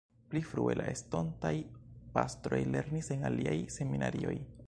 Pli frue la estontaj pastroj lernis en aliaj seminarioj.